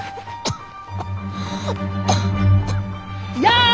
やあ！